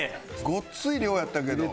ごっつい量やったけど。